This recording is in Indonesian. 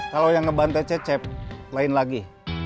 kalau yang ngebante cecep lain lagi